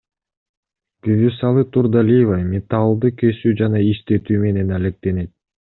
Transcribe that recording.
Бүбүсалы Турдалиева металлды кесүү жана иштетүү менен алектенет.